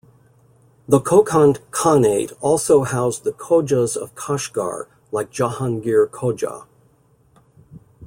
The Kokand Khanate also housed the Khojas of Kashgar like Jahangir Khoja.